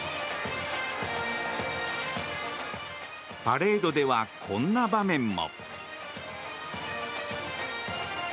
パレードでは、こんな場面も。